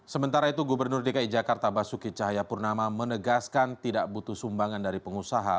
sementara itu gubernur dki jakarta basuki cahayapurnama menegaskan tidak butuh sumbangan dari pengusaha